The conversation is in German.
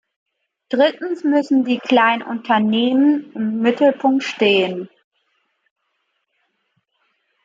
Drittens müssen die kleinen Unternehmen im Mittelpunkt stehen.